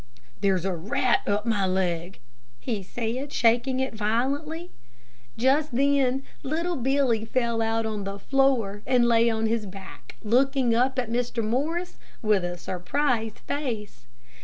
"There's a rat up my leg," he said, shaking it violently. Just then little Billy fell out on the floor and lay on his back looking up at Mr. Morris with a surprised face.